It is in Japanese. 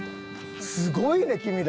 すごいね君ら。